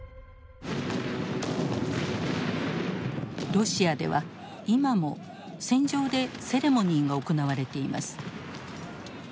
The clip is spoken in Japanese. ロシアでは今も戦場でセレモニーが行われています。